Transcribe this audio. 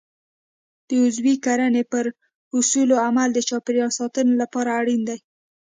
د عضوي کرنې پر اصولو عمل د چاپیریال ساتنې لپاره اړین دی.